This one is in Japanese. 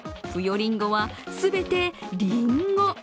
りんごは、全てりんご。